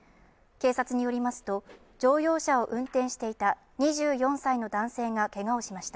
警察によりますと乗用車を運転していた２４歳の男性がけがをしました。